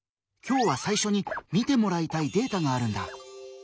今日は最初に見てもらいたいデータがあるんだ。